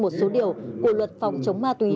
một số điều của luật phòng chống ma túy